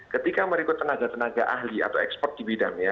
ketika merekrut tenaga tenaga ahli atau ekspor di bidangnya